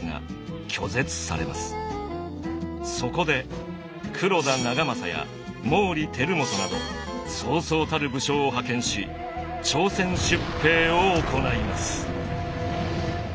そこで黒田長政や毛利輝元などそうそうたる武将を派遣し朝鮮出兵を行います。